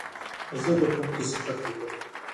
زه د ښوونکي صفت لیکم.